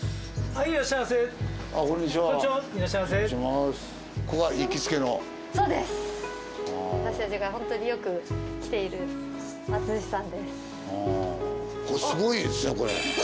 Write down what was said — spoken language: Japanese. はあすごいですねこれ。